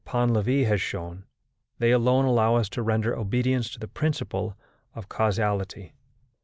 Painlevé has shown, they alone allow us to render obedience to the principle of causality.